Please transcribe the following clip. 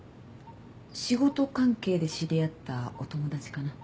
仕事関係で知り合ったお友達かな。